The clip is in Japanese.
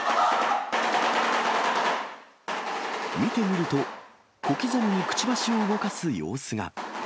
見てみると、小刻みにくちばしを動かす様子が。